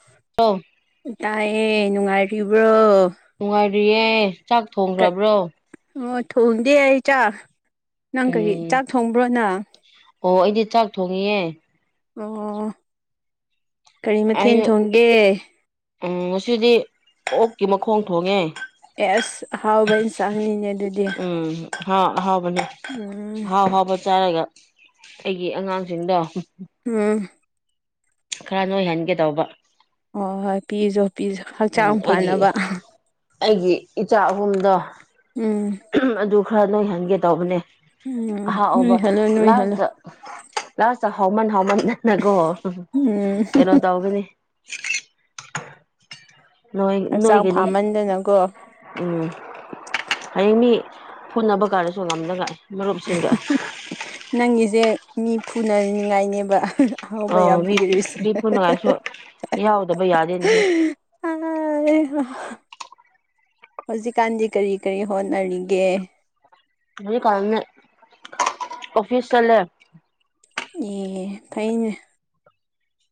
[inaudible] ꯑꯥꯎ ꯇꯥꯏꯌꯦ ꯅꯨꯡꯉꯥꯏꯔꯤꯕ꯭ꯔꯣ ꯅꯨꯡꯉꯥꯏꯔꯤꯌꯦ ꯆꯥꯛ ꯊꯣꯡꯈ꯭ꯔꯕ꯭ꯔꯣ ꯑꯣ ꯊꯣꯡꯗꯦ ꯑꯩ ꯆꯥꯛ ꯅꯪ ꯀꯔꯤ ꯎꯝ ꯆꯥꯛ ꯊꯣꯡꯕ꯭ꯔꯣ ꯅꯪ ꯑꯣ ꯑꯩꯗꯤ ꯆꯥꯛ ꯊꯣꯡꯉꯤꯌꯦ ꯑꯣ ꯀꯔꯤ ꯃꯊꯦꯜ ꯑꯩ ꯊꯣꯡꯒꯦ ꯎꯝ ꯉꯁꯤꯗꯤ ꯑꯣꯛꯀꯤ ꯃꯈꯣꯡ ꯊꯣꯡꯉꯦ ꯑꯦꯁ ꯑꯍꯥꯎꯕ ꯏꯟꯁꯥꯡꯅꯤꯅꯦ ꯑꯗꯨꯗꯤ ꯎꯝ ꯍ ꯍꯥꯎ ꯕꯅꯦ ꯎꯝ ꯑꯍꯥꯎ ꯑꯍꯥꯎꯕ ꯆꯥꯔꯒ ꯑꯩꯒꯤ ꯑꯉꯥꯡꯁꯤꯡꯗꯣ ꯎꯝ ꯈꯔ ꯅꯣꯏꯍꯟꯒꯦ ꯇꯧꯕ ꯑꯣ ꯍꯣꯏ ꯄꯤꯖꯧ ꯎꯝ ꯑꯩꯒꯤ ꯑꯩꯒꯤ ꯏꯆꯥ ꯑꯍꯨꯝꯗꯣ ꯎꯝ ꯑꯗꯨ ꯈꯔ ꯅꯣꯏꯍꯟꯒꯦ ꯇꯧꯕꯅꯦ ꯎꯝ ꯑꯍꯥꯎꯕ ꯅꯣꯏ ꯍꯜꯂꯣ ꯅꯣꯏ ꯍꯜꯂꯣ ꯂꯥꯁꯇ ꯂꯥꯁꯇ ꯍꯥꯎꯃꯟ ꯍꯥꯎꯃꯟꯘꯅꯀꯣ ꯎꯝ ꯀꯩꯅꯣ ꯇꯧꯕꯅꯦ ꯅꯣꯏ ꯍꯛꯆꯥꯡ ꯅꯣꯏꯒꯅꯤ ꯐꯥꯃꯟꯗꯅꯀꯣ ꯎꯝ ꯍꯌꯦꯡ ꯃꯤ ꯐꯣꯟꯅꯕ ꯀꯥꯟꯗꯁꯨ ꯉꯝꯅꯉꯥꯢ ꯃꯔꯨꯞꯁꯤꯡꯒ ꯅꯪꯒꯤꯁꯦ ꯃꯤ ꯐꯨꯅꯅꯤꯉꯥꯏꯅꯦꯕ ꯑꯪ ꯃꯤ ꯃꯤ ꯐꯨꯅꯉꯥꯏꯁꯨ ꯌꯥꯎꯗꯕ ꯌꯥꯗꯦꯅꯦꯍꯦ [unintelligible] ꯍꯧꯖꯤꯛꯀꯥꯟꯗꯤ ꯀꯔꯤ ꯀꯔꯤ ꯍꯣꯠꯅꯔꯤꯒꯦ ꯍꯧꯖꯤꯛ ꯀꯟꯁꯦ ꯑꯣꯐꯤꯁ ꯆꯠꯂꯦ ꯑꯦ ꯐꯩꯅꯦ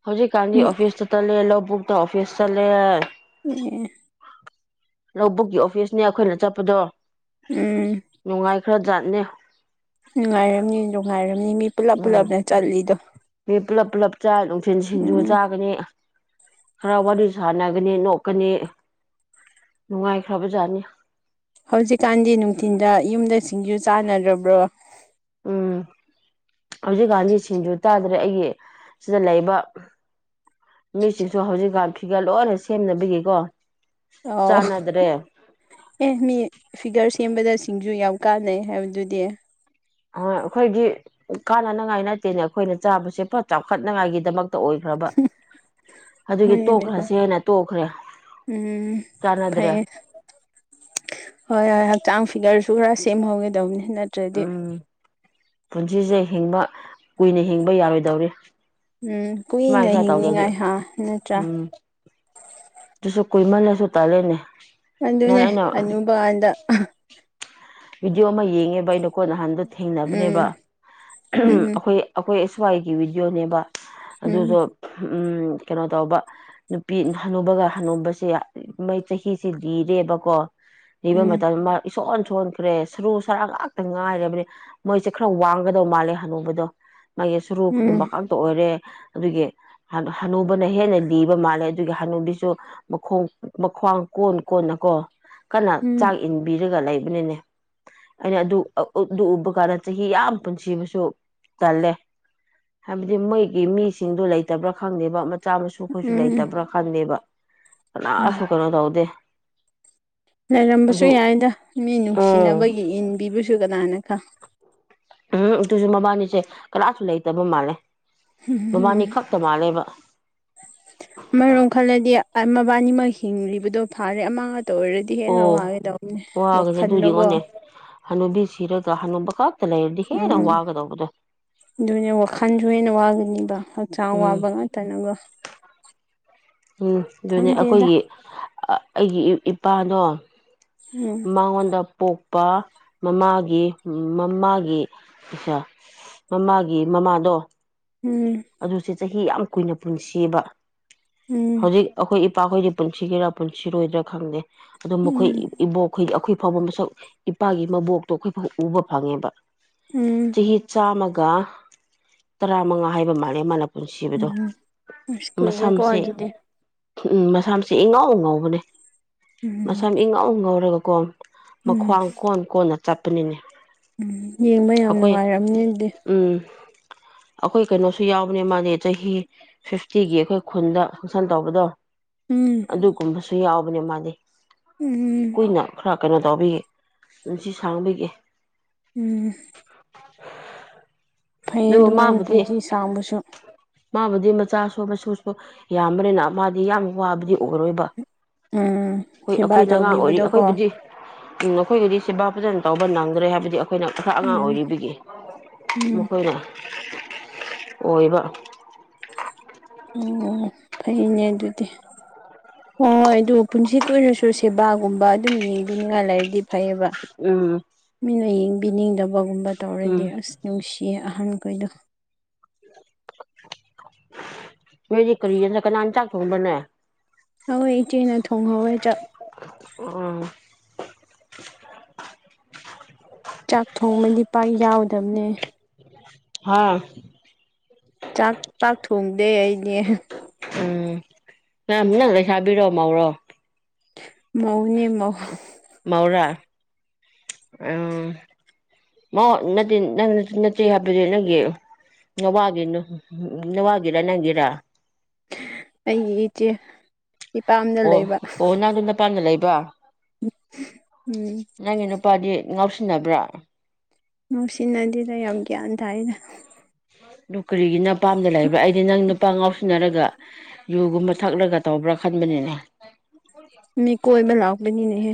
ꯍꯧꯖꯤꯛꯀꯥꯟꯘꯤ ꯃꯤ ꯑꯣꯐꯤꯁꯇ ꯆꯠꯂꯦ ꯂꯧꯕꯨꯛꯇ ꯑꯣꯐꯤꯁ ꯆꯠꯂꯦ ꯑꯦ ꯂꯧꯕꯨꯛꯀꯤ ꯑꯣꯐꯤꯁꯅꯦ ꯑꯩꯈꯣꯏꯅ ꯆꯠꯄꯗꯣ ꯎꯝ ꯅꯨꯡꯉꯥꯏꯈ꯭ꯔ ꯖꯥꯠꯅꯦ ꯅꯨꯡꯉꯥꯏꯔꯝꯅꯤ ꯅꯨꯡꯉꯥꯏꯔꯝꯅꯤ ꯃꯤ ꯄꯨꯜꯂꯞ ꯎꯝ ꯄꯨꯜꯂꯞꯅꯦ ꯆꯠꯂꯤꯗꯣ ꯃꯤ ꯄꯨꯜꯂꯞ ꯄꯨꯜꯂꯞ ꯆꯥꯏ ꯅꯨꯡꯊꯤꯜ ꯁꯤꯡꯖꯨ ꯎꯝ ꯆꯥꯒꯅꯤ ꯈꯔ ꯋꯥꯔꯤ ꯁꯥꯟꯅꯒꯅꯤ ꯅꯣꯛꯀꯅꯤ ꯅꯨꯡꯉꯥꯏꯈ꯭ꯔꯕꯖꯥꯠꯅꯤ ꯍꯧꯖꯤꯛꯀꯥꯟꯗꯤ ꯅꯨꯡꯊꯤꯟꯗ ꯌꯨꯝꯗ ꯁꯤꯡꯁꯨ ꯆꯥꯟꯅꯗ꯭ꯔꯕ꯭ꯔꯣ ꯎꯝ ꯍꯧꯖꯤꯛꯀꯥꯟꯗꯤ ꯁꯤꯡꯖꯨ ꯆꯗ꯭ꯔꯦ ꯑꯩꯒꯤ ꯁꯤꯗ ꯂꯩꯕ ꯃꯤꯁꯤꯡꯁꯨ ꯍꯧꯖꯤꯛꯀꯥꯟ ꯐꯤꯒꯔ ꯂꯣꯏꯅ ꯁꯦꯝꯅꯕꯤꯒꯤꯀꯣ ꯑꯣꯣ ꯑꯦ ꯃꯤ ꯐꯤꯒꯔ ꯁꯦꯝꯕꯗ ꯁꯤꯡꯁꯨ ꯌꯥꯝ ꯀꯥꯟꯅꯩ ꯍꯥꯏꯕꯗꯨꯗꯤ ꯍꯣꯢ ꯑꯩꯈꯣꯏꯒꯤ ꯀꯥꯟꯅꯅꯉꯥꯏ ꯅꯠꯇꯦꯅꯦ ꯑꯩꯈꯣꯏꯅ ꯆꯥꯕꯁꯦ ꯄꯨꯔ ꯆꯥꯎꯈꯠꯅꯉꯥꯏꯒꯤꯗꯃꯛꯇ ꯑꯣꯏ ꯔꯕ ꯑꯗꯨꯒꯤ ꯍꯣꯏꯅꯦꯀꯣ ꯇꯣꯛꯈ꯭ꯔꯁꯤ ꯍꯢꯅ ꯇꯣꯛꯈ꯭ꯔꯦ ꯎꯝ ꯆꯥꯟꯅꯗ꯭ꯔꯦ ꯐꯩꯌꯦ ꯍꯣꯏ ꯍꯣꯏ ꯍꯛꯆꯥꯡ ꯐꯤꯒꯔꯁꯨ ꯈꯔ ꯁꯦꯝꯍꯧꯒꯇꯧꯕꯅꯤ ꯅꯠ ꯎꯝ ꯄꯨꯟꯁꯤꯁꯦ ꯍꯤꯡꯕ ꯀꯨꯏꯅ ꯍꯤꯡꯕ ꯌꯥꯔꯣꯏꯗꯧꯔꯤ ꯎꯝ ꯁꯨꯃꯥꯏꯅ ꯀꯨꯏꯅ ꯈꯔ ꯇꯧꯗ꯭ꯔꯗꯤ ꯍꯤꯡꯅꯤꯡꯉꯥꯏ ꯍꯥ ꯅꯠꯇ꯭ꯔꯥ ꯑꯗꯨꯨꯁꯨ ꯀꯨꯏꯃꯜꯂꯁꯨ ꯇꯥꯂꯦꯅꯦ ꯑꯗꯨꯅꯦ ꯍꯥꯅꯨꯕ ꯀꯥꯟꯗ ꯚꯤꯗꯤꯑꯣ ꯑꯃ ꯌꯦꯡꯉꯦꯕ ꯑꯩꯗꯣꯀꯣ ꯅꯍꯥꯟꯗꯣ ꯊꯦꯡꯅꯕꯅꯦꯕ ꯎꯝ ꯎꯝ ꯑꯩꯈꯣꯏ ꯑꯩꯈꯣꯏ ꯑꯦꯁ ꯋꯥꯏꯒꯤ ꯚꯤꯗꯤꯑꯣꯅꯦꯕ ꯎꯝ ꯑꯗꯨꯗꯣ ꯀꯩꯅꯣ ꯇꯧꯕ ꯅꯨꯄꯤ ꯍꯅꯨꯕꯒ ꯍꯅꯨꯕꯁꯦ ꯃꯣꯏ ꯆꯍꯤꯁꯦ ꯂꯤꯔꯦꯕꯀꯣ ꯎꯝ ꯃꯇꯝ ꯃꯥ ꯏꯁꯣꯟ ꯁꯣꯟ ꯍꯔꯦ ꯁꯔꯨ ꯁꯔꯥꯡ ꯉꯥꯛꯇ ꯉꯥꯏꯔꯕꯅꯦ ꯃꯣꯏꯁꯦ ꯈꯔ ꯋꯥꯡꯒꯗꯧ ꯃꯥꯜꯂꯦ ꯍꯅꯨꯕꯗꯣ ꯃꯥꯒꯤ ꯎꯝ ꯁꯨꯔꯨꯒꯨꯝꯕ ꯈꯥꯛꯇ ꯑꯣꯏꯔꯦ ꯑꯗꯨꯒꯤ ꯍꯅꯨꯕꯅ ꯍꯦꯟꯅ ꯂꯤꯕ ꯃꯥꯜꯂꯦ ꯑꯗꯨꯒꯤ ꯍꯅꯨꯕꯤꯁꯨ ꯃꯈꯣꯡ ꯃꯈ꯭ꯋꯥꯡ ꯀꯣꯟ ꯀꯣꯟꯅꯀꯣ ꯀꯟꯅ ꯎꯝ ꯆꯥꯛ ꯏꯟꯕꯤꯔꯒ ꯂꯩꯕꯅꯤꯅꯦ ꯑꯩꯅ ꯑꯗꯨ ꯑꯗꯨ ꯎꯕ ꯀꯥꯟꯗ ꯆꯍꯤ ꯌꯥꯝ ꯄꯨꯟꯁꯤꯕꯁꯨ ꯇꯜꯂꯦ ꯍꯥꯏꯕꯗꯤ ꯃꯣꯏꯒꯤ ꯃꯤꯁꯤꯡꯗꯨ ꯂꯩꯇꯕ꯭ꯔꯥ ꯈꯪꯗꯦꯕ ꯃꯆꯥ ꯃꯁꯨ ꯎꯝ ꯈꯣꯏꯁꯨ ꯂꯩꯇꯕ꯭ꯔꯥ ꯈꯪꯗꯦꯕ ꯎꯝ ꯀꯅꯥꯁꯨ ꯀꯩꯅꯣ ꯇꯧꯗꯦ ꯂꯩꯔꯝꯕꯁꯨ ꯑꯗꯨ ꯌꯥꯏꯗ ꯃꯤ ꯎꯝ ꯅꯨꯡꯁꯤꯅꯕꯒꯤ ꯏꯟꯕꯤꯕꯁꯨ ꯀꯅꯥꯅ ꯈꯪ ꯎꯝ ꯑꯗꯨꯁꯨ ꯃꯕꯥꯅꯤꯁꯦ ꯀꯅꯥꯁꯨ ꯂꯩꯇꯕ ꯃꯥꯜꯂꯦ ꯃꯕꯥꯅꯤ ꯈꯛ ꯇ ꯃꯤꯂꯦꯕ ꯑꯃꯔꯣꯝ ꯈꯜꯂꯗꯤ ꯃꯕꯥꯅꯤꯃꯛ ꯍꯤꯡꯂꯤꯕꯗꯣ ꯐꯥꯔꯦ ꯑꯃꯥꯡ ꯑꯃꯇ ꯑꯣꯏꯔꯗꯤ ꯍꯦꯟꯅ ꯑꯣ ꯋꯥꯒꯗꯕꯅꯦ ꯋꯥꯒꯁꯦ ꯑꯗꯨ ꯋꯥꯈꯜꯗꯣꯀꯣ ꯌꯦꯡꯉꯣꯅꯦ ꯍꯅꯨꯕꯤ ꯁꯤꯔꯒ ꯍꯅꯨꯕ ꯈꯛꯇ ꯂꯩꯔꯗꯤ ꯍꯦꯟꯅ ꯎꯝ ꯋꯥꯒꯗꯧꯕꯗꯣ ꯑꯗꯨꯅꯦ ꯋꯥꯈꯜꯁꯨ ꯍꯦꯟꯅ ꯋꯥꯒꯅꯤꯕ ꯍꯛꯆꯥꯡ ꯎꯝ ꯋꯥꯕ ꯉꯥꯛꯇꯅꯕ ꯎꯝ ꯑꯗꯨꯅꯦ ꯑꯩꯈꯣꯏꯒꯤ ꯑꯩꯒꯤ ꯏꯄꯥꯗꯣ ꯎꯝ ꯃꯉꯣꯟꯗ ꯄꯣꯛꯄ ꯃꯃꯥꯒꯤ ꯃꯃꯥꯒꯤ ꯄꯩꯁꯥ ꯃꯃꯥꯒꯤ ꯃꯃꯥꯗꯣ ꯎꯝ ꯑꯗꯨꯁꯦ ꯆꯍꯤ ꯌꯥꯝ ꯀꯨꯏꯅ ꯄꯨꯟꯁꯤꯌꯦꯕ ꯎꯝ ꯍꯧꯖꯤꯛ ꯑꯩꯈꯣꯏ ꯏꯄ__ ꯏꯄꯥꯈꯣꯏꯗꯤ ꯄꯨꯟꯁꯤꯒꯦꯔꯥ ꯄꯨꯟꯁꯤꯔꯣꯏꯗ꯭ꯔꯥ ꯈꯪꯗꯦ ꯑꯗꯣ ꯃꯈꯣꯏ ꯎꯝ ꯏ ꯏꯕꯣꯛ ꯑꯩꯈꯣꯏꯒꯤ ꯑꯩꯈꯣꯏ ꯐꯥꯎꯕ ꯃꯁꯛ ꯏꯄꯥꯒꯤ ꯃꯕꯣꯛꯇꯣ ꯑꯩꯈꯣꯏ ꯐꯥꯎ ꯎꯕ ꯐꯪꯉꯦꯕ ꯎꯝ ꯆꯍꯤ ꯆꯥꯝꯃꯒ ꯇꯔꯥꯃꯉꯥ ꯍꯥꯏꯕ ꯃꯥꯜꯂꯦ ꯃꯥꯅ__ ꯄꯨꯟꯁꯤꯕꯗꯣ ꯎꯝ ꯑꯁ ꯀꯨꯏꯔꯦꯀꯣ ꯃꯁꯝꯁꯦ ꯑꯗꯨꯗꯤ ꯎꯝ ꯃꯁꯝꯁꯦ ꯏꯪꯉꯧ ꯉꯧꯕꯅꯦ ꯎꯝ ꯃꯁꯝ ꯏꯉꯧ ꯉꯧꯔꯒꯀꯣ ꯎꯝ ꯃꯈ꯭ꯋꯥꯡ ꯀꯣꯟ ꯀꯣꯟꯅ ꯆꯠꯄꯅꯤꯅꯦ ꯎꯝ ꯌꯦꯡꯕ ꯌꯥꯝ ꯑꯩꯈꯣꯏ ꯅꯨꯡꯉꯥꯏꯔꯝꯅꯤ ꯑꯗꯨꯗꯤ ꯎꯝ ꯑꯩꯈꯣꯏ ꯀꯩꯅꯣꯁꯨ ꯌꯥꯎꯕꯅꯦ ꯃꯥꯗꯤ ꯆꯍꯤ ꯐꯤꯐꯇꯤꯒꯤ ꯑꯩꯈꯣꯏ ꯈꯨꯟꯗ ꯐꯪꯁꯟ ꯇꯧꯕꯗꯣ ꯎꯝ ꯑꯗꯨꯒꯨꯝꯕꯁꯨ ꯌꯥꯎꯕꯅꯦ ꯃꯥꯗꯤ ꯎꯝ ꯀꯨꯏꯅ ꯈꯔ ꯀꯩꯅꯣ ꯇꯧꯕꯒꯤ ꯄꯨꯟꯁꯤ ꯁꯥꯡꯕꯒꯤ ꯎꯝ [inaudible] ꯐꯩꯌꯦ ꯑꯗꯨꯒ ꯑꯗꯨꯃꯥꯏꯅ ꯃꯥꯕꯨꯗꯤ ꯄꯨꯟꯁꯤ ꯁꯥꯡꯕꯁꯨ ꯃꯥꯕꯨꯗꯤ ꯃꯆꯥꯁꯨ ꯃꯁꯨꯁꯨ ꯌꯥꯝꯕꯅꯤꯅ ꯃꯥꯗꯤ ꯌꯥꯝ ꯋꯥꯕꯗꯤ ꯑꯣꯏꯔꯣꯏꯕ ꯎꯝ ꯑꯩꯈꯣꯏ ꯁꯦꯕꯥ ꯑꯩꯈꯣꯏꯅ ꯑꯉꯥꯡ ꯑꯣꯏꯔꯤ ꯇꯧꯕꯤꯕꯗꯣꯀꯣ ꯑꯩꯈꯣꯏꯕꯨꯗꯤ ꯎꯝ ꯑꯈꯣꯏꯒꯗꯤ ꯁꯦꯕꯥ ꯐꯖꯅ ꯇꯧꯕ ꯅꯪꯗ꯭ꯔꯦ ꯍꯥꯏꯕꯗꯤ ꯑꯩꯈꯣꯏꯅ ꯈꯔ ꯑꯉꯥꯡ ꯎꯝ ꯑꯣꯏꯔꯤꯕꯒꯤ ꯎꯝ ꯃꯈꯣꯏꯅ ꯑꯣꯏꯕ ꯑꯣ ꯐꯩꯅꯦ ꯗꯨꯗꯤ ꯍꯣꯏ ꯑꯗꯨ ꯄꯨꯟꯁꯤ ꯀꯨꯏꯔꯁꯨ ꯁꯦꯕꯥꯒꯨꯝꯕ ꯑꯗꯨꯝ ꯌꯦꯡꯕꯤꯅꯤꯡꯉꯥꯏ ꯂꯩꯔꯗꯤ ꯐꯩꯌꯦꯕ ꯎꯝ ꯃꯤꯅ ꯌꯦꯡꯕꯤꯅꯤꯡꯗꯕꯒꯨꯝꯕ ꯇꯧꯔꯗꯤ ꯎꯝ ꯑꯁ ꯅꯨꯡꯁ ꯏ ꯑꯍꯟ ꯈꯣꯏꯗꯣ ꯅꯣꯏꯗꯤ ꯀꯔꯤ ꯌꯦꯟꯁꯥ ꯀꯅꯥꯅ ꯆꯥꯛ ꯊꯣꯡꯕꯥꯅꯦ ꯑꯈꯣꯏ ꯏꯆꯦꯅ ꯊꯣꯡꯍꯧꯋꯦ ꯆꯥꯛ ꯑꯣ ꯆꯥꯛ ꯊꯣꯡꯕꯗꯤ ꯄꯥꯥꯛ ꯌꯥꯎꯗꯝꯅꯦ ꯍꯥꯥ ꯆꯥꯛ ꯄꯥꯛ ꯊꯣꯡꯗꯦ ꯑꯩꯗꯤ ꯎꯝ ꯌꯥꯝ ꯅꯪ ꯂꯩꯁꯥꯕꯤꯔꯣ ꯃꯧꯔꯣ ꯃꯧꯅꯦ ꯃꯧ ꯃꯧꯔꯥ ꯑꯥ ꯃꯧ ꯅꯠꯇꯦ ꯅꯪ ꯅ ꯅꯆꯦ ꯍꯥꯏꯕꯗꯨꯗꯤ ꯅꯪꯒꯤ ꯅꯋꯥꯗꯤ ꯅ ꯅ ꯅꯋꯥꯒꯤꯔꯥ ꯅꯪꯒꯤꯔꯥ ꯑꯩꯒꯤ ꯏꯆꯦ ꯏꯄꯥꯝꯗ ꯂꯩꯕ [unintelligible] ꯏꯄꯥꯝꯗ ꯂꯩꯕꯥ [unintelligible] ꯎꯝ ꯅꯪꯒꯤ ꯅꯨꯄꯥꯗꯤ ꯉꯥꯎꯁꯤꯟꯅꯕ꯭ꯔꯥ ꯉꯥꯎꯁꯤꯟꯅꯗꯦꯗ ꯌꯥꯝ ꯒ꯭ꯌꯥꯟ ꯇꯥꯏꯌꯦꯗ ꯗꯨ ꯀꯔꯤꯒꯤ ꯅꯄꯥꯥꯝꯗ ꯂꯩꯕ꯭ꯔꯥ ꯑꯩꯗꯤ ꯅꯪ ꯅꯨꯄꯥ ꯉꯥꯎꯁꯤꯟꯅꯔꯒ ꯌꯨ ꯒꯨꯝꯕ ꯊꯛꯔꯒ ꯇꯧꯕ꯭ꯔꯥ ꯈꯟꯕꯅꯤꯅꯦ ꯃꯤ ꯀꯣꯏꯕ ꯂꯥꯛꯄꯅꯤꯅꯦꯍꯦ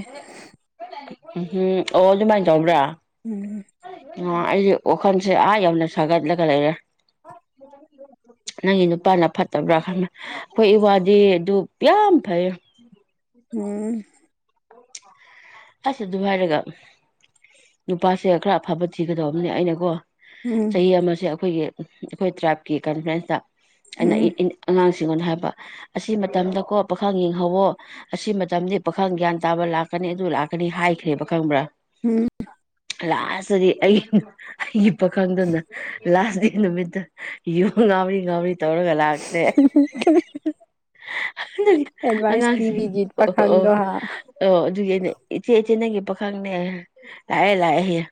ꯎꯝꯍꯨꯝ ꯑꯣ ꯑꯗꯨꯃꯥꯏꯟ ꯇꯧꯕ꯭ꯔꯥ ꯎꯝ ꯑꯣ ꯑꯩꯗꯤ ꯋꯥꯈꯜꯁꯦ ꯑꯥ ꯌꯧꯅ ꯁꯥꯒꯠꯂꯒ ꯂꯩꯔꯦ [inaudible] ꯅꯪꯒꯤ ꯅꯨꯄꯥꯅ ꯐꯠꯇꯕ꯭ꯔꯥ ꯈꯟꯕ ꯑꯩꯈꯣꯏ ꯏꯋꯥꯗꯤ ꯗꯨꯞ ꯌꯥꯝ ꯐꯩ ꯎꯝ ꯑꯁ ꯑꯗꯨ ꯍꯥꯏꯔꯒ ꯅꯨꯄꯥꯁꯦ ꯈꯔ ꯑꯐꯕ ꯊꯤꯒꯗꯧꯕꯅꯦ ꯑꯩꯅꯀꯣ ꯎꯝ ꯆꯍꯤ ꯑꯃꯁꯦ ꯑꯩꯈꯣꯏꯒꯤ ꯑꯩꯈꯣꯏ ꯇ꯭ꯔꯥꯏꯞꯀꯤ ꯀꯟꯐ꯭ꯔꯦꯟꯁꯇ ꯑꯩꯅ ꯎꯝ ꯏ ꯏꯟ ꯑꯉꯥꯡꯁꯤꯡꯉ‌ꯣꯅ ꯍꯥꯏꯕ ꯑꯁꯤ ꯃꯇꯝꯗꯀꯣ ꯄꯥꯈꯪ ꯌꯦꯡꯍꯧꯋꯣ ꯑꯁꯤ ꯃꯇꯝꯗꯤ ꯄꯥꯈꯪ ꯒ꯭ꯌꯥꯟ ꯇꯥꯕ ꯂꯥꯛꯀꯅꯤ ꯑꯗꯨ ꯂꯥꯛ ꯀꯅꯤ ꯍꯥꯏꯈ꯭ꯔꯦꯕ ꯈꯪꯕ꯭ꯔꯥ ꯎꯝ ꯂꯥꯁꯇꯗꯤ ꯑꯩ ꯑꯩ ꯄꯥꯈꯪꯗꯨꯅꯥ ꯂꯥꯁ ꯗ‌ꯦ ꯅꯨꯃꯤꯠꯇ ꯌꯨ ꯉꯥꯎꯔꯤ ꯉꯥꯎꯔꯤ ꯇꯧꯔꯒ ꯂꯥꯛꯈ꯭ꯔ‌ꯦ ꯑꯗꯨꯒꯤ ꯑꯦꯗꯚꯥꯏꯁ ꯑꯉꯥꯡꯁꯤꯡ ꯄꯤꯕꯤꯒꯤ ꯑꯣ ꯑꯣ ꯑꯣ ꯄꯥꯈꯪꯗꯣ ꯍꯥ ꯑꯣ ꯑꯗꯨꯒꯤ ꯑꯩꯅ ꯏꯆꯦ ꯏꯆ‌ꯦ ꯅꯪꯒꯤ ꯄꯥꯈꯪꯅꯦ ꯂꯥꯛꯑꯦ ꯂꯥꯛꯑꯦꯍꯦꯌ‌ꯦ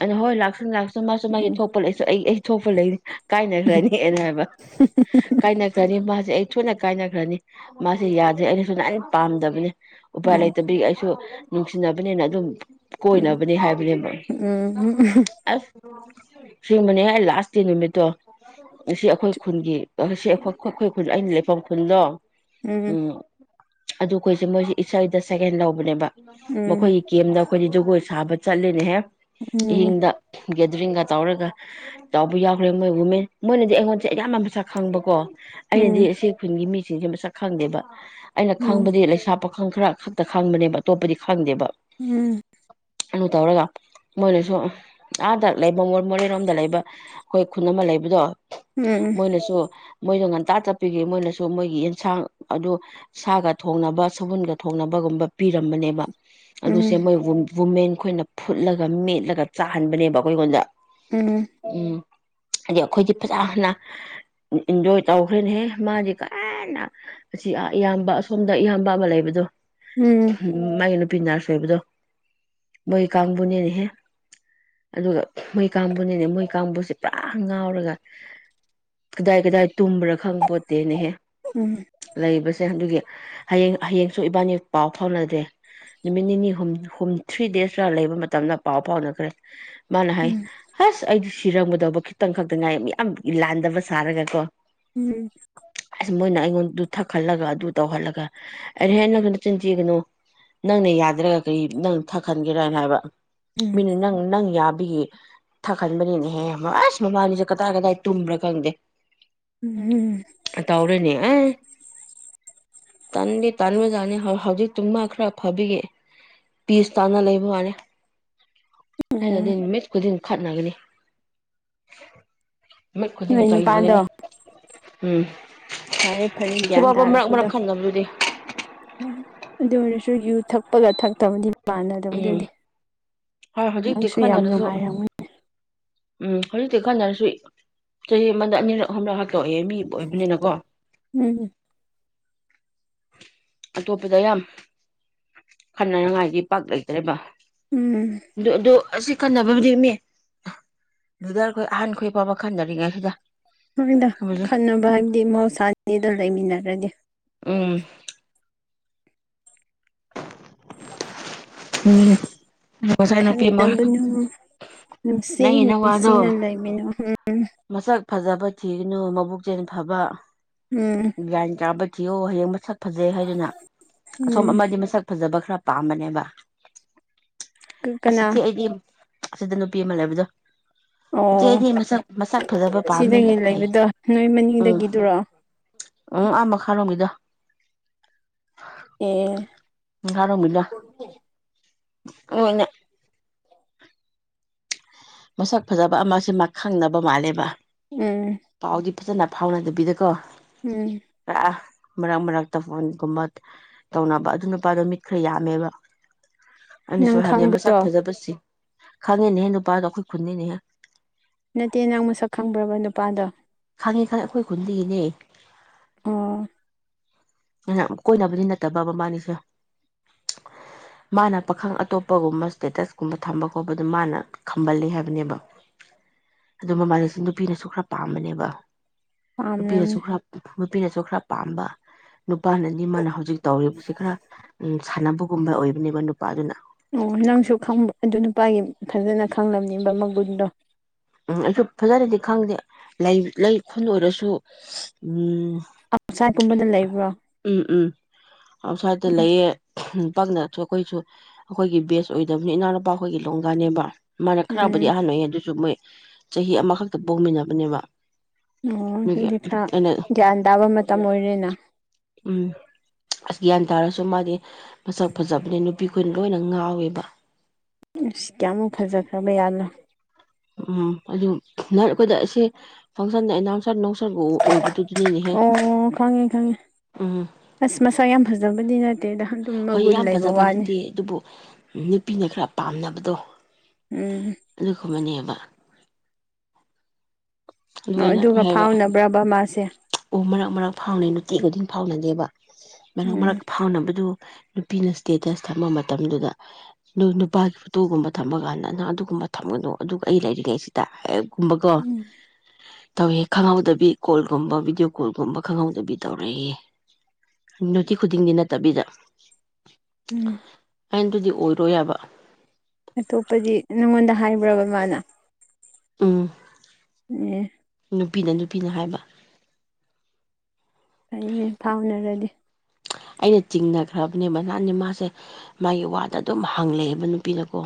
ꯑꯩꯅ ꯍꯣꯏ ꯂꯥꯛꯁꯨꯟ ꯂꯥꯛꯁꯨꯟ ꯁꯨ ꯃꯥꯁꯨ ꯃꯥꯒꯤ ꯎꯝ ꯊꯣꯛꯄ ꯂꯩꯁꯨ ꯑꯩ ꯑꯩ ꯊꯣꯛꯄ ꯂꯩ ꯀꯥꯏꯅꯈ꯭ꯔꯅꯤ ꯑꯦꯅ ꯍꯥꯏꯕ ꯀꯥꯏꯅꯈ꯭ꯔꯅꯤ ꯃꯥꯁꯦ ꯑꯩ ꯊꯨꯅ ꯀꯥꯏꯅꯈ꯭ꯔꯅꯤ ꯃꯥꯁ‌ꯦ ꯌꯥꯗ꯭ꯔꯦ ꯑꯩꯅꯁꯨ ꯅꯍꯥꯟ ꯄꯥꯝꯗꯕꯅ‌ꯦ ꯎꯄꯥꯏ ꯎꯝ ꯂꯩꯇꯕꯒꯤ ꯑꯩꯁꯨ ꯅꯨꯡꯁꯤꯅꯕꯅꯤꯅ ꯑꯗꯨꯝ ꯎꯝ ꯀꯣꯏꯅꯕꯅꯦ ꯍꯥꯏꯕꯅꯦꯕ ꯎꯝ ꯎꯝ ꯎꯝ [unintelligible] ꯑꯁ ꯁꯤꯃꯅ‌ꯦ ꯍꯥꯏ ꯂꯥꯁ ꯗ‌ꯦ ꯅꯨꯃꯤꯠꯇꯣ ꯑꯁꯤ ꯑꯩꯈꯣꯏ ꯈꯨꯜꯒꯤ ꯑꯁꯤ ꯑꯩꯈꯣꯏ ꯈꯨꯜ ꯑꯩꯅ ꯂꯩꯐꯝ ꯈꯨꯜꯗꯣ ꯎꯝ ꯑꯗꯨ ꯑꯩꯈꯣꯏꯁꯦ ꯃꯣꯏꯁꯦ ꯏꯁꯩꯗ ꯁꯦꯀꯦꯟ ꯂꯧꯕꯅꯦꯕ ꯎꯝ ꯃꯈꯣꯏ ꯀꯦꯝꯗ ꯑꯩꯈꯣꯏꯗꯤ ꯖꯒꯣꯏ ꯁꯥꯕ ꯆꯠꯂꯦꯅꯦꯍꯦ ꯏꯍꯤꯡꯗ ꯒꯦꯗꯔꯤꯡꯒ ꯇꯧꯔꯒ ꯇꯧꯕ ꯌꯥꯎꯈ꯭ꯔꯦ ꯃꯣꯏ ꯋꯨꯃꯦꯟ ꯃꯣꯏꯅꯗꯤ ꯑꯩꯉꯣꯟꯁꯦ ꯑꯌꯥꯝꯕ ꯃꯁꯛ ꯈꯪꯕꯀꯣ ꯑꯩꯅꯗꯤ ꯑꯁꯤ ꯈꯨꯟꯒꯤ ꯃꯤꯁꯤꯡꯁꯦ ꯃꯁꯛ ꯈꯪꯗꯦꯕ ꯑꯩꯅ ꯈꯪꯕꯗꯤ ꯂꯩꯁꯥ ꯄꯥ ꯄꯥꯈꯪ ꯈꯔ ꯈꯛꯇ ꯈꯪꯕꯅꯦꯕ ꯑꯇꯣꯞꯄꯗꯤ ꯈꯪꯗꯦꯕ ꯎꯝ ꯑꯗꯨ ꯇꯧꯔꯒ ꯃꯣꯏꯅꯁꯨ ꯑꯥꯗ ꯂꯩꯕ ꯃꯣꯔꯦꯔꯣꯝꯗ ꯂꯩꯕ ꯑꯩꯈꯣꯏ ꯈꯨꯟ ꯑꯃ ꯂꯩꯕꯗꯣ ꯎꯝ ꯃꯣꯏꯅꯁꯨ ꯃꯣꯏꯗ ꯉꯟꯇꯥ ꯆꯠꯄꯒꯤ ꯃꯣꯏꯅꯁꯨ ꯃꯣꯏꯒꯤ ꯑꯦꯟꯁꯥꯡ ꯑꯗꯨ ꯁꯥꯒ ꯊꯣꯡꯅꯕ ꯁꯒꯨꯟꯒ ꯊꯣꯡꯅꯕꯒꯨꯝꯕ ꯄꯤꯔꯝꯕꯅꯦꯕ ꯎꯝ ꯑꯗꯨꯁꯦ ꯃꯣꯏꯋꯨꯝ ꯋꯨꯃꯦꯟ ꯈꯣꯏꯅ ꯐꯨꯠꯂꯒ ꯃꯦꯠꯂꯒ ꯆꯥꯍꯟꯕꯅꯦꯕ ꯑꯩꯈꯣꯏ ꯈꯨꯟꯗ ꯎꯝ ꯎꯝ ꯍꯥꯏꯗꯤ ꯑꯩꯈꯣꯏꯗꯤ ꯐꯖꯅ ꯏꯟꯖꯣꯏ ꯇꯧꯈ꯭ꯔꯦꯅꯦꯍꯦ ꯃꯥꯖꯤ ꯀꯥꯅꯥꯅ ꯑꯁꯤ ꯏꯌꯥꯝꯕ ꯑꯁꯣꯝꯗ ꯏꯌꯥꯝꯕ ꯑꯃ ꯂꯩꯕꯗꯣ ꯎꯝ ꯃꯥꯒꯤ ꯅꯨꯄꯤ ꯅꯔꯁ ꯑꯣꯏꯕꯗꯣ ꯃꯣꯏꯒꯤ ꯀꯥꯡꯕꯨꯅꯤꯅꯦꯍꯦ ꯑꯗꯨꯒ ꯃꯣꯏ ꯀꯥꯡꯕꯨꯅꯤꯅꯦꯍꯦ ꯃꯣꯏ ꯀꯥꯡꯕꯨꯁꯤ ꯄꯨꯔꯥ ꯉꯥꯎꯔꯒ ꯀꯗꯥꯏ ꯀꯗꯥꯏ ꯇꯨꯝꯕ꯭ꯔ ꯈꯪꯄꯣꯠꯇꯦꯅꯦꯍꯦ ꯂꯩꯕꯁꯦ ꯑꯗꯨꯒꯤ ꯍꯌꯦꯡ ꯍꯌꯦꯡꯁꯨ ꯏꯕꯥꯟꯅꯤ ꯄꯥꯎ ꯐꯥꯎꯅꯗꯦ ꯅꯨꯃꯤꯠ ꯅꯤꯅꯤ ꯍꯨꯝꯅꯤ ꯊ꯭ꯔꯤ ꯗꯦꯁ ꯂꯩꯕ ꯃꯇꯝꯗ ꯄꯥꯎ ꯐꯥꯎꯅꯈ꯭ꯔꯦ ꯃꯥꯅ ꯍꯥꯏ ꯑꯁ ꯑꯩꯗꯤ ꯁꯤꯔꯝꯒꯗꯧꯕ ꯈꯤꯇꯪ ꯈꯛꯇ ꯉꯥꯏ ꯃꯤꯌꯥꯝ ꯂꯥꯟꯗꯕ ꯁꯥꯔꯒ ꯀꯣ ꯎꯝ ꯑꯁ ꯃꯣꯏꯅ ꯑꯩꯉꯣꯟꯗꯨ ꯊꯛꯍꯠꯂꯒ ꯑꯗꯨ ꯇꯧꯍꯜꯂꯒ ꯑꯩꯅ ꯍꯦ ꯍꯦ ꯅꯪꯖꯨ ꯅꯆꯤꯟ ꯊꯤꯒꯅꯨ ꯅꯪꯅ ꯌꯥꯗ꯭ꯔꯒ ꯀꯔꯤ ꯅꯪ ꯊꯛꯍꯟꯒꯦꯔꯅ ꯍꯥꯏꯕ ꯃꯤꯅ ꯅꯪ ꯅꯪ ꯌꯥꯕꯤꯒꯤ ꯊꯛꯍꯟꯕꯅꯤꯅꯦꯍꯦ ꯑꯁ ꯃꯕꯥꯟꯅꯤꯁꯦ ꯀꯗꯥꯏ ꯀꯗꯥꯏ ꯇꯨꯝꯕ꯭ꯔꯥ ꯈꯪꯗꯦ ꯎꯝ ꯍꯨꯝ ꯇꯧꯔꯦꯅꯤ ꯑꯦ ꯇꯟꯗꯤ ꯇꯟꯕꯖꯥꯠꯅꯤ ꯍꯧ ꯍꯧꯖꯤꯛ ꯇꯨꯡꯃ ꯈꯔ ꯐꯕꯤꯒꯤ ꯄꯤꯁ ꯇꯥꯅ ꯂꯩꯕ ꯋꯥꯅꯤ ꯑꯩ ꯑꯣꯏꯔꯗꯤ ꯅꯨꯃꯤꯠ ꯈꯨꯗꯤꯡ ꯈꯠꯅꯒꯅꯤ ꯅꯨꯃꯤꯠ ꯈꯨꯗꯤꯡ ꯅꯣꯏ ꯅꯨꯄꯥꯗꯣ ꯆꯩꯅꯒꯅꯤ ꯎꯝ ꯐꯔꯦ ꯐꯔꯦ ꯒ꯭ꯌꯥꯟ ꯁꯤꯐꯥꯎꯕ ꯃꯔꯛ ꯃꯔꯛ ꯇꯥꯔꯛꯄꯗꯣ ꯈꯪꯗꯕꯗꯨꯗꯤ ꯑꯗꯨ ꯑꯣꯏꯔꯁꯨ ꯌꯨ ꯊꯛꯄꯒ ꯊꯛꯇꯕꯗꯤ ꯃꯥꯟꯅꯗꯕꯗꯨꯗꯤ ꯎꯝ ꯍꯣꯏ ꯍꯧꯖꯤꯛꯇꯤ ꯅꯪꯁꯨ ꯌꯥꯝ ꯈꯟꯅꯔꯁꯨ ꯅꯨꯡꯉꯥꯏꯔꯝꯒꯅꯤ ꯎꯝ ꯍꯧꯖꯤꯛꯇꯤ ꯈꯟꯅꯔꯁꯨ ꯆꯍꯤ ꯑꯃꯗ ꯑꯅꯤꯔꯛ ꯑꯍꯨꯝꯂꯛ ꯍꯛꯇꯣꯛꯑꯦ ꯃꯤꯕꯨ ꯑꯣꯏꯕꯅꯤꯅꯀꯣ ꯎꯝ ꯑꯇꯣꯞꯄꯗ ꯌꯥꯝ ꯈꯠꯅꯅꯉꯥꯏꯗꯤ ꯄꯥꯛ ꯂꯩꯇ꯭ꯔꯦꯕ ꯎꯝ ꯑꯗꯨ ꯑꯗꯣ ꯑꯁꯤ ꯈꯠꯅꯕꯕꯨꯗꯤ ꯃꯤ ꯗꯥꯗꯥꯈꯣꯏ ꯑꯍꯟꯈꯣꯏ ꯐꯥꯎꯕ ꯈꯟꯗꯔꯤꯉꯩꯁꯤꯗ ꯍꯣꯏꯗ ꯈꯠꯅꯕ ꯍꯥꯏꯕꯗꯤ ꯃꯍꯧꯁꯥꯅꯤꯗꯣ ꯂꯩꯃꯤꯟꯅꯔꯗꯤ ꯎꯝ [inaudible] ꯎꯝ ꯑꯣꯖꯥꯏ ꯅꯨꯄꯤ ꯑꯃ ꯑꯣꯏꯔꯒ ꯈꯟꯅꯒꯅꯨ ꯅꯨꯡꯁꯤ ꯅꯨꯡꯁꯤꯅ ꯂꯩꯃꯤꯟꯅꯧ ꯎꯝ ꯃꯁꯛ ꯐꯖꯕ ꯊꯤꯒꯅꯨ ꯃꯕꯨꯛ ꯆꯦꯟ ꯐꯕ ꯎꯝ ꯥꯒ꯭ꯌꯥꯟ ꯇꯥꯕ ꯊꯤꯌꯣ ꯍꯌꯦꯡ ꯃꯁꯛ ꯐꯖꯩ ꯍꯥꯏꯗꯨꯅ ꯑꯁꯣꯝ ꯑꯃ ꯎꯝ ꯃꯁꯛ ꯐꯖꯕ ꯈꯔ ꯄꯥꯝꯕꯅꯦꯕ ꯑꯁ ꯏꯆꯦ ꯀꯅꯥ ꯑꯩꯗꯤ ꯑꯁꯤꯗ ꯅꯨꯄꯤ ꯑꯃ ꯂꯩꯕꯗꯣ ꯏꯆꯦ ꯑꯣ ꯏꯗꯤ ꯃꯁ ꯃꯁꯥꯛ ꯐꯖꯕ ꯄꯥꯝꯃꯦ ꯁꯤꯗꯒꯤ ꯐꯩ ꯂꯩꯕꯗꯣ ꯅꯣꯏ ꯎꯝ ꯃꯅꯤꯡꯗꯒꯤꯗꯨꯔꯣ ꯑ ꯑꯥ ꯃꯈꯥ ꯔꯣꯝꯒꯤꯗꯣ ꯑꯦ ꯃꯈꯥꯔꯣꯝꯒꯤꯗꯣ ꯑꯥ ꯏꯅ ꯃꯁꯛ ꯐꯖꯕ ꯑꯃꯁꯤ ꯃꯥ ꯈꯪꯅꯕ ꯃꯥꯜꯂꯦꯕ ꯎꯝ ꯄꯥꯎꯗꯤ ꯐꯖꯅ ꯐꯥꯎꯅꯗꯕꯤꯗꯀꯣ ꯎꯝ ꯑꯑꯥ ꯃꯔꯛ ꯃꯔꯛꯇ ꯐꯣꯟꯒꯨꯝꯕ__ ꯇꯧꯅꯕ ꯑꯗꯨ ꯅꯨꯄꯥꯗꯣ ꯃꯤꯠ ꯈꯔ ꯌꯥꯝꯃꯦꯕ ꯅꯪ ꯑꯩꯅꯁꯨ ꯍꯥꯏꯕꯅꯦ ꯃꯁꯛ ꯈꯪꯕ꯭ꯔꯣ ꯐꯖꯕꯁꯤ ꯈꯪꯉꯤꯅꯦꯍꯦ ꯅꯨꯄꯥꯗꯣ ꯑꯩꯈꯣꯏ ꯈꯨꯟꯅꯤꯅꯦꯍꯦ ꯅꯠꯇꯦ ꯅꯪ ꯃꯁꯛ ꯈꯪꯕ꯭ꯔꯕ ꯅꯨꯄꯥꯗꯣ ꯈꯪꯉꯦ ꯈꯪꯉꯦ ꯑꯩꯈꯣꯏ ꯈꯨꯟꯗꯒꯤꯅꯦ ꯑꯣ ꯅꯥꯍ ꯀꯣꯏꯅꯕꯗꯤ ꯅꯠꯇꯕ ꯃꯕꯦꯅꯤꯁꯦ [inaudible] ꯃꯥꯅ ꯄꯥꯈꯪ ꯑꯇꯣꯞꯄꯒꯨꯝꯕ ꯏꯁꯇꯦꯇꯁꯀꯨꯝꯕ ꯊꯝꯕ ꯈꯣꯠꯄꯗ ꯃꯥꯅ ꯈꯝꯕꯜꯂꯦ ꯍꯥꯏꯕꯅꯦꯕ [inaudible] ꯑꯗꯨ ꯃꯃꯥꯟꯅꯁꯨ ꯅꯨꯄꯤꯅꯁꯨ ꯈꯔ ꯄꯥꯝꯕꯅꯦꯕ ꯄꯥꯝꯂꯝꯅꯤ ꯅꯨꯄꯤꯅꯁꯨ ꯈꯔ ꯅꯨꯄꯤꯅꯁꯨ ꯈꯔ ꯄꯥꯝꯕ ꯅꯨꯄꯥꯅꯅꯤ ꯃꯥꯅ ꯍꯧꯖꯤꯛ ꯇꯧꯔꯤꯕꯁꯤ ꯈꯔ ꯎꯝ ꯁꯥꯟꯅꯕꯒꯨꯝꯕ ꯑꯣꯏꯕꯅꯦꯕ ꯅꯨꯄꯥꯗꯨꯅ ꯑꯣ ꯅꯪꯁꯨ ꯈꯪꯕ ꯑꯗꯨ ꯅꯨꯄꯥꯒꯤ ꯐꯖꯅ ꯈꯪꯂꯝꯅꯤꯕ ꯃꯒꯨꯟꯗꯣ ꯎꯝ ꯑꯩꯁꯨ ꯐꯖꯅꯗꯤ ꯈꯪꯗꯦ ꯂꯩ ꯂꯩ ꯈꯨꯟ ꯑꯣꯏꯔꯁꯨ ꯎꯝ ꯑꯥꯎꯠꯁꯥꯏꯠ ꯀꯨꯝꯕꯗ ꯂꯩꯕ꯭ꯔꯣ ꯎꯝ ꯎꯝ ꯑꯥꯎꯠꯁꯥꯏꯠꯇ ꯂꯩꯌꯦ ꯍꯨꯝ ꯄꯛꯅꯁꯨ ꯑꯩꯈꯣꯏꯁꯨ ꯑꯩꯈꯣꯏꯒꯤ ꯕꯦꯁ ꯑꯣꯏꯗꯕꯝꯅꯤꯅ ꯏꯅꯥꯎꯅꯨꯄꯥ ꯈꯣꯏꯒꯤ ꯂꯣꯡꯒꯥꯅꯦꯕ ꯃꯥꯅ ꯈꯔꯕꯨꯗꯤ ꯎꯝ ꯑꯍꯥꯟ ꯑꯣꯏꯌꯦ ꯑꯗꯨꯁꯨ ꯃꯣꯏ ꯆꯍꯤ ꯑꯃꯈꯛꯇ ꯄꯣꯡꯃꯤꯟꯅꯕꯅꯦꯕ ꯑꯣ ꯑꯗꯨꯗꯤ ꯈꯔ ꯒ꯭ꯌꯥꯟ ꯇꯥꯕ ꯃꯇꯝ ꯑꯣꯏꯔꯦꯅ ꯎꯝ ꯑꯁ ꯒ꯭ꯌꯥꯟ ꯇꯥꯔꯁꯨ ꯃꯥꯗꯤ ꯃꯁꯛ ꯐꯖꯕꯅꯤ ꯅꯨꯞ ꯄꯤꯈꯣꯏꯅ ꯂꯣꯏꯅ ꯉꯥꯎꯋꯦꯕ ꯑꯁ ꯀꯌꯥꯃꯨꯛ ꯐꯖꯈ꯭ꯔꯕ ꯌꯥꯅꯣ ꯎꯝ ꯑꯗꯨ ꯅꯔ ꯑꯩꯈꯣꯏꯗ ꯑꯁꯤ ꯐꯪꯁꯟꯗ ꯑꯅꯥꯎꯟꯁꯔ ꯅꯨꯡꯁꯔꯕꯨ ꯑꯣꯏꯕꯗꯨꯒꯤꯅꯤꯅꯦꯍꯦ ꯑꯣ ꯈꯪꯉꯦ ꯈꯪꯉꯦ ꯎꯝ ꯑꯁ ꯃꯁꯛ ꯌꯥꯝ ꯐꯖꯕꯗꯤ ꯅꯠꯇꯦꯗ ꯑꯗꯨꯝ ꯃꯒꯨꯟ ꯂꯩꯕ ꯋꯥꯅꯤ ꯏ ꯑꯗꯨꯕꯨ ꯅꯨꯄꯤꯅ ꯈꯔ ꯄꯥꯝꯅꯕꯗꯣ ꯎꯝ ꯑꯗꯨꯈꯨꯝꯕꯅꯦꯕ ꯑꯗꯨ ꯑꯣ ꯑꯩꯅ ꯑꯗꯨꯒ ꯍꯥꯏꯕ ꯐꯥꯎꯅꯕ꯭ꯔꯕ ꯃꯥꯁꯦ ꯑꯣ ꯃꯔꯛ ꯃꯔꯛ ꯐꯥꯎꯅꯩ ꯅꯨꯇꯤ ꯈꯨꯗꯤꯡ ꯐꯥꯎꯅꯗꯦꯕ ꯃꯔꯛ ꯎꯝ ꯃꯔꯛ ꯐꯥꯎꯅꯕꯗꯨ ꯅꯨꯄꯤꯅ ꯏꯁꯇꯦꯇꯁ ꯊꯝꯕ ꯃꯇꯝꯗꯨꯗ ꯗꯨ ꯅꯨꯄꯥꯒꯤ ꯐꯣꯇꯣꯒꯨꯝꯕ ꯊꯝꯕ ꯒꯥꯟꯗ ꯅꯪ ꯑꯗꯨꯒꯨꯝꯕ ꯊꯝꯒꯅꯨ ꯑꯗꯨꯒ ꯑꯩ ꯂꯩꯔꯤꯉꯩꯁꯤꯗ [unintelligible] ꯀꯨꯝꯕꯀꯣ ꯎꯝ ꯇꯧꯋꯦ ꯈꯪꯍꯧꯗꯕꯤ ꯀꯣꯜꯒꯨꯝꯕ ꯕꯤꯗꯤꯌꯣ ꯀꯣꯜꯒꯨꯝꯕ ꯈꯪꯍꯧꯗꯕꯤ ꯇꯧꯔꯦꯌꯦ ꯅꯨꯇꯤ ꯈꯨꯗꯤꯡꯗꯤ ꯅꯠꯇꯕꯤꯗ ꯎꯝ ꯑꯩꯟꯗꯨꯗꯤ ꯑꯣꯏꯔꯣꯏ ꯌꯥꯕ ꯑꯇꯣꯞꯄꯗꯤ ꯅꯉꯣꯟꯗ ꯍꯥꯏꯕ꯭ꯔꯕ ꯃꯥꯅ ꯎꯝ ꯅꯦ ꯅꯨꯄꯤꯅ ꯅꯨꯄꯤꯅ ꯍꯥꯏꯕ ꯐꯩꯅꯦ ꯐꯥꯎꯅꯔꯗꯤ ꯑꯩꯅ ꯆꯤꯡꯅꯈ꯭ꯔꯕꯅꯦꯕ ꯅꯍꯥꯟꯅꯦ ꯃꯥꯁꯦ ꯃꯥꯒꯤ ꯋꯥꯗ ꯗꯨꯝ ꯍꯪꯂꯦꯑꯦꯕ ꯅꯨꯄꯤꯗꯀꯣ